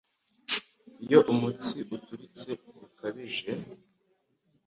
Iyo umutsi waturitse bikabije